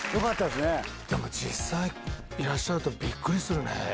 でも実際いらっしゃるとビックリするね。